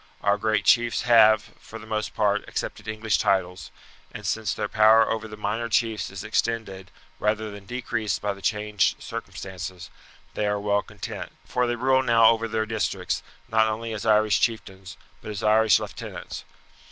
Our great chiefs have, for the most part, accepted English titles, and since their power over the minor chiefs is extended, rather than decreased by the changed circumstances, they are well content, for they rule now over their districts, not only as Irish chieftains, but as English lieutenants.